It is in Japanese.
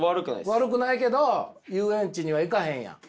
悪くないけど遊園地には行かへんやん。